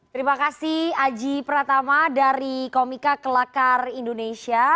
terima kasih aji pratama dari komika kelakar indonesia